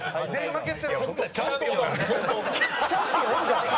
チャンピオンおるからね。